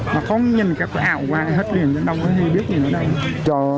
mà không nhìn các cái ảo qua hết hiện trường đâu hay biết gì nữa đâu